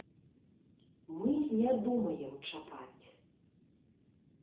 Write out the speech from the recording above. Мы і не думаем чапаць.